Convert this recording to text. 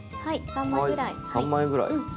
３枚ぐらい。